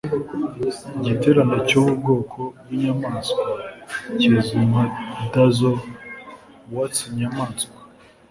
Igiterane cyubu bwoko bwinyamanswa kizwi nka Dazzle Whats Inyamaswa